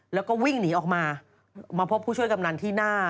แล้วก็วิ่งหนีออกมามาพบผู้ช่วยกำนันที่หน้า